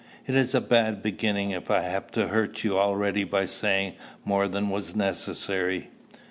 It is a bad beginning if I have hurt you already by saying more than was necessary."